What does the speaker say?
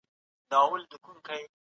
پرېکړې د سياسي مشرانو لخوا نيول کېږي.